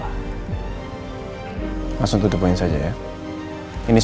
tapirol ini akan sampai ke tempat yang kecil lebih cepat